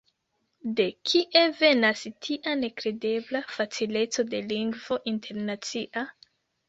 De kie venas tia nekredebla facileco de lingvo internacia?